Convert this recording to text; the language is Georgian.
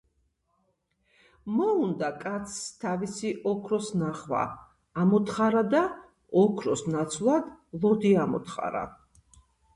მოუნდა კაცს თავისი ოქროს ნახვა ამოთხარა და ოქროს ნაცვლად ლოდი ამოთხარა.